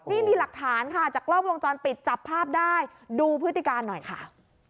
นี่มีหลักฐานค่ะจากกล้องวงจรปิดจับภาพได้ดูพฤติการหน่อยค่ะ